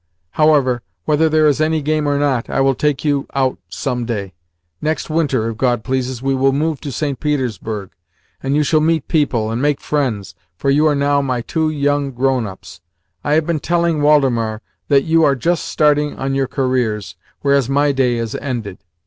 However, whether there is any game or not, I will take you out some day. Next winter, if God pleases, we will move to St. Petersburg, and you shall meet people, and make friends, for you are now my two young grown ups. I have been telling Woldemar that you are just starting on your careers, whereas my day is ended.